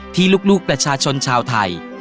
ที่ลูกประชาชนชาวไทย